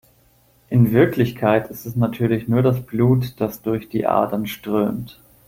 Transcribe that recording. In Wirklichkeit ist es natürlich nur das Blut, das durch die Adern strömt.